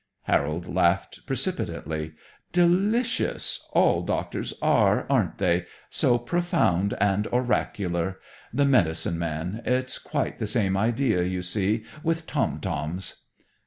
Harold laughed precipitately. "Delicious! All doctors are, aren't they? So profound and oracular! The medicine man; it's quite the same idea, you see; with tom toms."